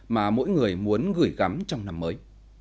mà mỗi người muốn gửi gắm trong năm mới